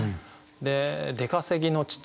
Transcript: で「出稼ぎの父」。